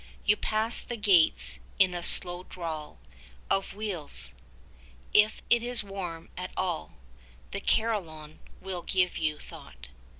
You pass the gates in a slow drawl Of wheels. If it is warm at all 5 The Carillon will give you thought.